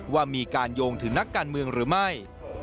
ว่ามีการโยงถึงนักการเมืองหรือไม่